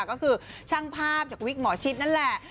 ก็คือช่างภาพจากวิกหมอชิดนั่นแหละ